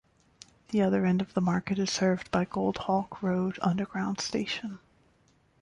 The other end of the market is served by Goldhawk Road Underground station.